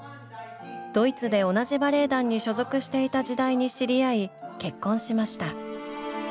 ドイツで同じバレエ団に所属していた時代に知り合い結婚しました。